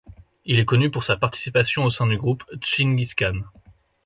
Il est connu pour sa participation au sein du groupe Dschinghis Khan.